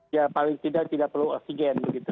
ya paling tidak tidak perlu oksigen begitu